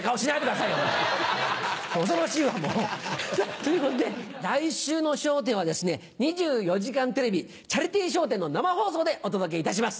さぁということで来週の『笑点』はですね『２４時間テレビ』チャリティー笑点の生放送でお届けいたします。